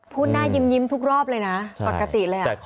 หน้ายิ้มทุกรอบเลยนะปกติเลย